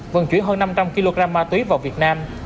vận chuyển hơn năm trăm linh kg ma túy vào việt nam